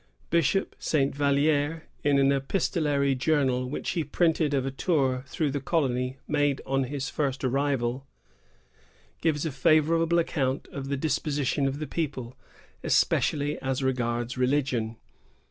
Bishop Saint Vallier, in an epistolary journal which he printed of a tour through the colony made on his first arrival, gives a favorable account of the disposition of the people, especially as regards religion.